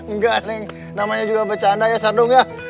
nggak neng namanya juga becanda ya sadung